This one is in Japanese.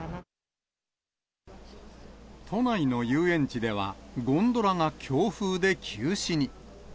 都内の遊園地では、ゴンドラが強風で休止に。